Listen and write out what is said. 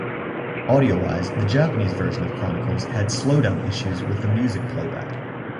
Audio-wise, the Japanese version of "Chronicles" had slowdown issues with the music playback.